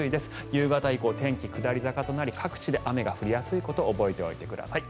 夕方以降、天気が下り坂となり各地で雨が降りやすいことを覚えておいてください。